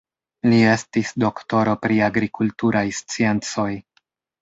Li estis doktoro pri agrikulturaj sciencoj.